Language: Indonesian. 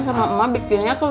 tidak tidak tidak